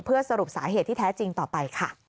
เพื่อสรุปสาเหตุที่แท้จริงต่อไปค่ะ